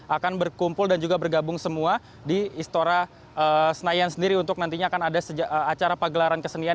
akan berkumpul dan juga bergabung semua di istora senayan sendiri untuk nantinya akan ada acara pagelaran kesenian